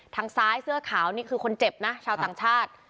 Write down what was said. ทางซ้ายเสื้อขาวนี่คือคนเจ็บนะชาวต่างชาติ